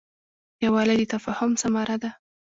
یووالی د تفاهم ثمره ده.